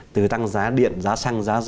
từ tăng giá điện giá xăng